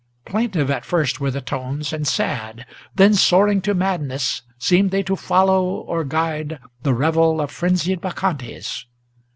Plaintive at first were the tones and sad; then soaring to madness Seemed they to follow or guide the revel of frenzied Bacchantes.